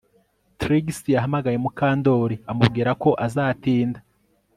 Trix yahamagaye Mukandoli amubwira ko azatinda